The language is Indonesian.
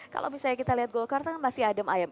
kalau misalnya kita lihat golkar kan masih adem ayem